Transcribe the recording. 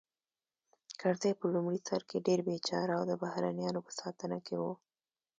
کرزی په لومړي سر کې ډېر بېچاره او د بهرنیانو په ساتنه کې و